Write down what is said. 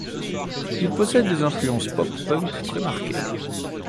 Il possède des influences pop punk très marquées.